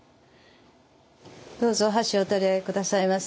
どうぞ箸をお取り下さいませ。